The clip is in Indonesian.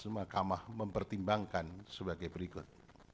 mahkamah mempertimbangkan sebagai berikut